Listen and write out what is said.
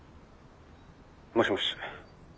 もしもし。